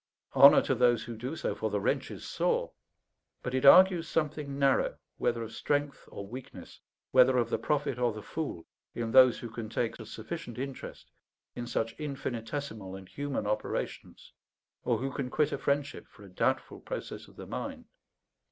Honour to those who do so, for the wrench is sore. But it argues something narrow, whether of strength or weakness, whether of the prophet or the fool, in those who can take a sufficient interest in such infinitesimal and human operations, or who can quit a friendship for a doubtful process of the mind.